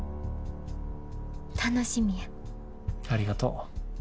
ありがとう。